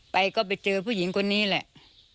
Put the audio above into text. ไปก็ไปเจอผู้หญิงคนนี้แหละ